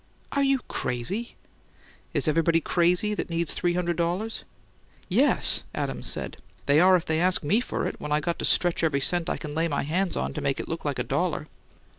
"Are you crazy?" "Is everybody crazy that needs three hundred dollars?" "Yes," Adams said. "They are if they ask ME for it, when I got to stretch every cent I can lay my hands on to make it look like a dollar!"